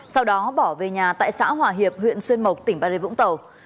sau đó bỏ về nhà tại xã hòa hiệp huyện xuyên mộc tỉnh bà rịa vũng tàu